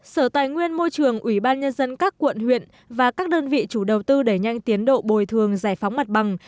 sở tài nguyên môi trường ubnd các quận huyện và các đơn vị chủ đầu tư để nhanh tiến độ bồi thường giải phóng mặt bằng